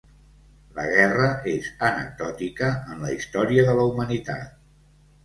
La guerra és anecdòtica en la història de la humanitat.